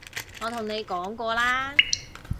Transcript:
我同你講過啦